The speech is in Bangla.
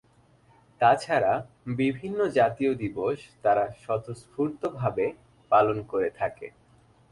তাছাড়া, বিভিন্ন জাতীয় দিবস তারা স্বতঃস্ফূর্তভাবে পালন করে থাকে।